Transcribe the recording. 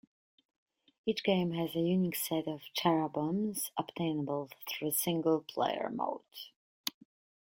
Each game has a unique set of Charaboms obtainable through single player mode.